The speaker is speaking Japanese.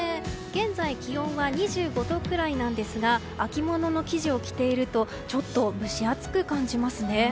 現在、気温は２５度くらいなんですが秋物の生地を着ているとちょっと蒸し暑く感じますね。